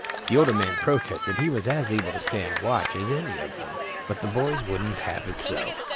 The older man protested he was as able to stand a watch as any of them, but the boys wouldn't have it so.